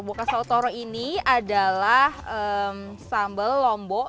boka sautoro ini adalah sambal lombok